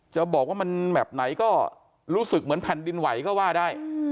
จะบอกว่ามันแบบไหนก็รู้สึกเหมือนแผ่นดินไหวก็ว่าได้